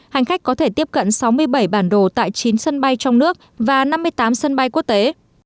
hành khách có thể tiếp cận sáu mươi bảy bản đồ tại chín sân bay trong nước và năm mươi tám sân bay quốc tế